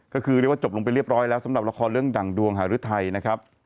ก็คือเรียกว่าจบลงไปเรียบร้อยแล้วสำหรับละครเรื่องดั่งดวงหารุทัยนะครับ